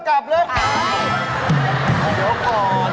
กลับเร็วก่อน